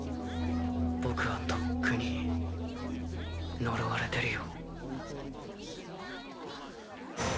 僕はとっくに呪われてるよ。